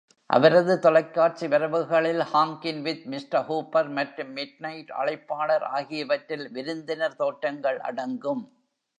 அவரது தொலைக்காட்சி வரவுகளில் "ஹாங்கின் வித் மிஸ்டர் கூப்பர்" மற்றும் "மிட்நைட் அழைப்பாளர்" ஆகியவற்றில் விருந்தினர் தோற்றங்கள் அடங்கும்.